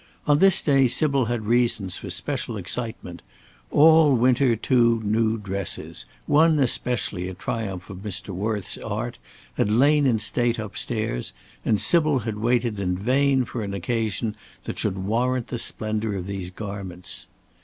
On this day Sybil had reasons for special excitement. All winter two new dresses, one especially a triumph of Mr. Worth's art, had lain in state upstairs, and Sybil had waited in vain for an occasion that should warrant the splendour of these garments.